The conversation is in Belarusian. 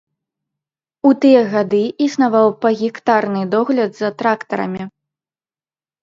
У тыя гады існаваў пагектарны догляд за трактарамі.